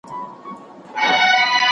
¬ پردى خر په ملا زوره ور دئ.